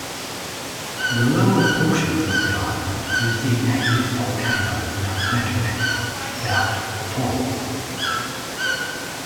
The lower portion of the island is the inactive volcano Mount Matarem, about tall.